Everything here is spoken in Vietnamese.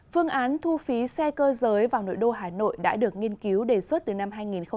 phương án thu phí xe cơ giới vào nội đô hà nội đã được nghiên cứu đề xuất từ năm hai nghìn một mươi sáu